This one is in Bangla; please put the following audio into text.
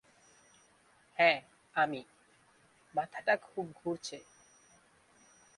হ্যাঁ, আমি — মাথাটা খুব ঘুরছে।